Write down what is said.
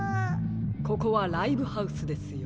ここはライブハウスですよ。